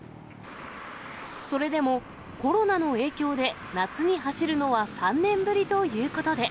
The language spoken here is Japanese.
それでもコロナの影響で夏に走るのは３年ぶりということで。